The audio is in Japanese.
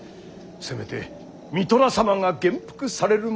せめて三寅様が元服されるまで。